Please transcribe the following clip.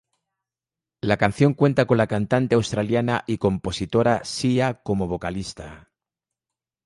La canción cuenta con la cantante australiana y compositora Sia como vocalista.